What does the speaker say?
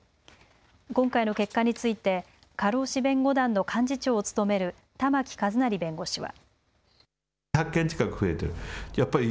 今回の結果について過労死弁護団の幹事長を務める玉木一成弁護士は。